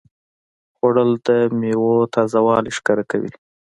خوړل د میوې تازهوالی ښکاره کوي